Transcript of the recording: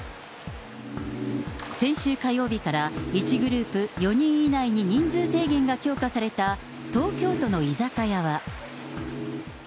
先週火曜日から、１グループ４人以内に人数制限が強化された東京都の居酒屋は。